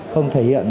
không thể hiện